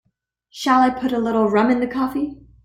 Shall I put a little rum in the coffee?